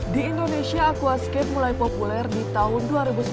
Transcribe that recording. di indonesia aquascape mulai populer di tahun dua ribu sembilan belas